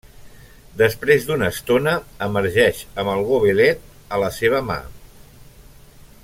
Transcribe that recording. Després d'una estona emergeix amb el gobelet a la seva mà.